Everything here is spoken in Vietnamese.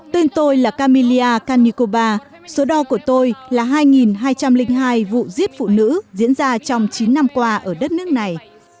tên tôi là kamilia kanikova số đo của tôi là hai hai trăm linh hai vụ giết phụ nữ diễn ra trong chín năm qua ở đất nước này